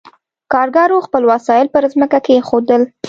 کارګرو خپل وسایل پر ځمکه کېښودل.